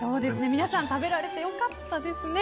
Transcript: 皆さん食べられてよかったですね。